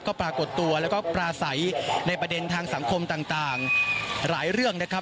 ก็ปรากฏตัวแล้วก็ปราศัยในประเด็นทางสังคมต่างหลายเรื่องนะครับ